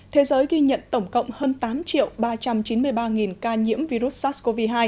thế giới ghi nhận tổng cộng hơn tám ba trăm chín mươi ba ca nhiễm virus sars cov hai